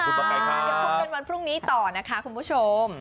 ยังพบกันวันพรุ่งนี้ต่อนะคะคุณผู้ชม